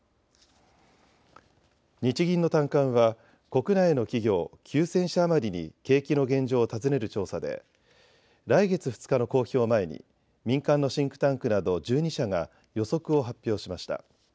日銀の短観は国内の企業９０００社余りに景気の現状を尋ねる調査で来月２日の公表を前に民間のシンクタンクなど１２社が予測を発表しました。